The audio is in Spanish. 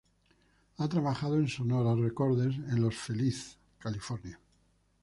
Ha trabajado en Sonora Recorders en Los Feliz, California.